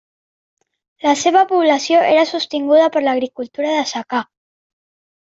La seva població era sostinguda per l'agricultura de secà.